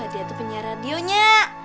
dia tuh punya radio nya